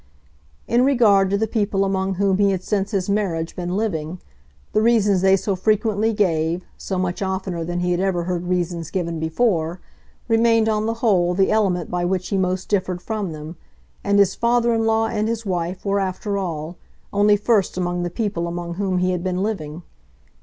In regard to the people among whom he had since his marriage been living, the reasons they so frequently gave so much oftener than he had ever heard reasons given before remained on the whole the element by which he most differed from them; and his father in law and his wife were, after all, only first among the people among whom he had been living.